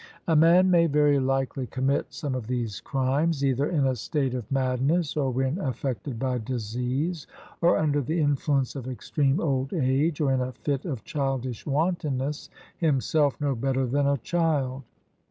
A man may very likely commit some of these crimes, either in a state of madness or when affected by disease, or under the influence of extreme old age, or in a fit of childish wantonness, himself no better than a child.